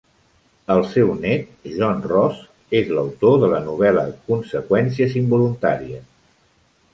El seu nét, John Ross, és l'autor de la novel·la Conseqüències involuntàries.